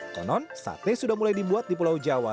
konon sate sudah mulai dibuat di pulau jawa